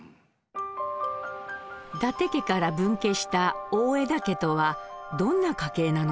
伊達家から分家した大條家とはどんな家系なのでしょう。